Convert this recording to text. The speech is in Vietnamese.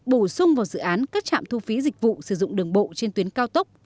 bổ sung vào dự án các trạm thu phí dịch vụ sử dụng đường bộ trên tuyến cao tốc